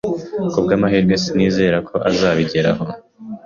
Kubwamahirwe, sinizera ko azabigeraho